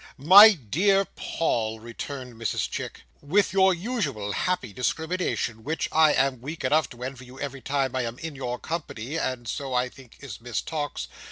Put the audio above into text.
"My dear Paul," returned Mrs Chick, "with your usual happy discrimination, which I am weak enough to envy you, every time I am in your company; and so I think is Miss Tox."